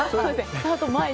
スタート前に。